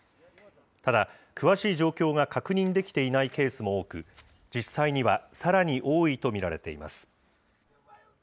ただ詳しい状況が確認できていないケースも多く、実際にはさらに多いと見られています。